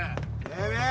てめえ